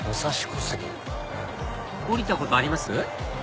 降りたことあります？